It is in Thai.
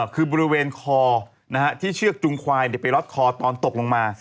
คือบริเวณคอที่เชือกจุงควายไปรัดคอตอนตกลงมา